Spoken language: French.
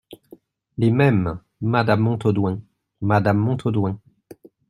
Les Mêmes, Madame Montaudoin Madame Montaudoin.